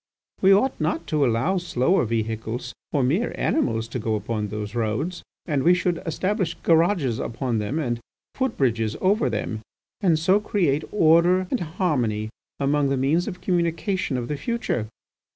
We ought not to allow slower vehicles or mere animals to go upon those roads, and we should establish garages upon them and foot bridges over them, and so create order and harmony among the means of communication of the future.